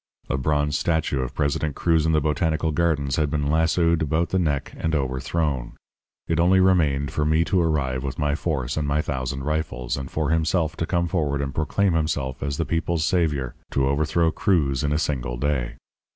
A bronze statue of President Cruz in the Botanical Gardens had been lassoed about the neck and overthrown. It only remained for me to arrive with my force and my thousand rifles, and for himself to come forward and proclaim himself the people's saviour, to overthrow Cruz in a single day.